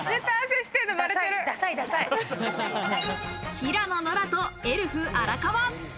平野ノラとエルフ・荒川。